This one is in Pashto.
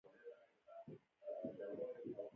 حسن قلي وويل: د کندهار د زندان مشر څنګه سړی و؟